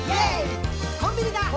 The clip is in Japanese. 「コンビニだ！